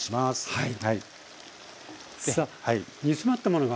はい。